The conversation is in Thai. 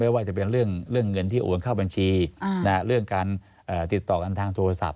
ว่าจะเป็นเรื่องเงินที่โอนเข้าบัญชีเรื่องการติดต่อกันทางโทรศัพท์